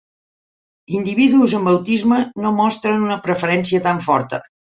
Individus amb autisme no mostren una preferència tan forta.